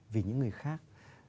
vì những người khác